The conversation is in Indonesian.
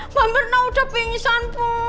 mbak mirna udah pingsan bu